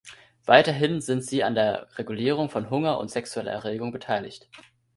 Weiterhin sind sie an der Regulierung von Hunger und sexueller Erregung beteiligt.